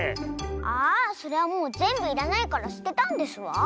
ああそれはもうぜんぶいらないからすてたんですわ。